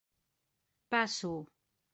Passo.